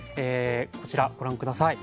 こちらご覧下さい。